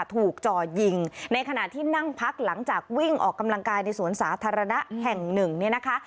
จ่อยิงในขณะที่นั่งพักหลังจากวิ่งออกกำลังกายในสวนสาธารณะแห่งหนึ่งเนี่ยนะคะ